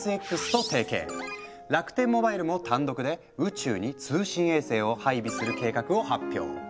楽天モバイルも単独で宇宙に通信衛星を配備する計画を発表。